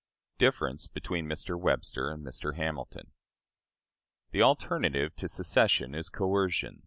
Difference between Mr. Webster and Mr. Hamilton. The alternative to secession is coercion.